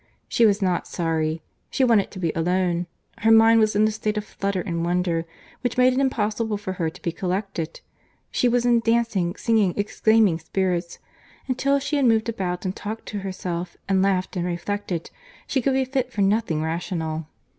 She was not sorry. She wanted to be alone. Her mind was in a state of flutter and wonder, which made it impossible for her to be collected. She was in dancing, singing, exclaiming spirits; and till she had moved about, and talked to herself, and laughed and reflected, she could be fit for nothing rational.